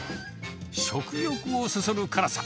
食欲をそそる辛さ。